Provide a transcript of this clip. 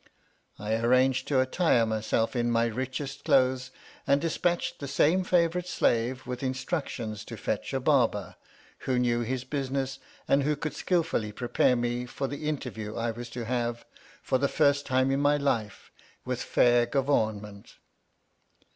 I ax ranged to attire myself in my richest clothes, and dispatched the same favourite slave with instructions to fetch a Barber, who knew his business, and who could skilfully prepare me for the interview I was to have, for the first time in all my life, with Fair Guvawnmeufc.